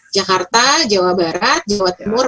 jakarta jawa barat jawa timur